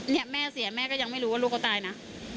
เนี่ยแม่เสียแม่ก็ยังไม่รู้ว่าลูกเขาตายนะ